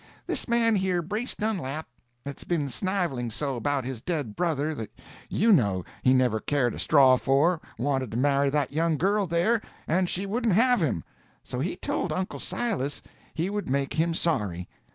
"This man here, Brace Dunlap, that's been sniveling so about his dead brother that you know he never cared a straw for, wanted to marry that young girl there, and she wouldn't have him. So he told Uncle Silas he would make him sorry.